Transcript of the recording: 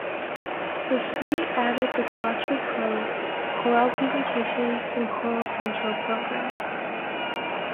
This suite added the Quattro Pro, Corel Presentations and CorelCentral programs.